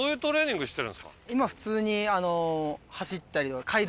今普通に。